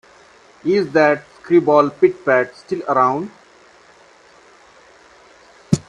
Is that screwball Pit-Pat still around?